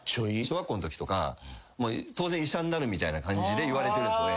小学校のときとか当然医者になるみたいな感じで言われてる親に。